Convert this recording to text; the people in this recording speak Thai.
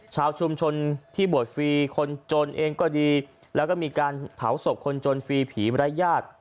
ชาวชุมชนที่บวชฟรีคนจนเองก็ดีแล้วก็มีการเผาศพคนจนฟรีผีมรยาท